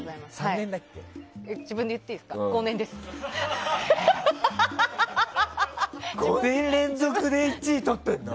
５年連続で１位とってるの！